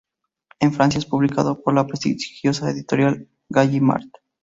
En Francia es publicado por la prestigiosa editorial Gallimard.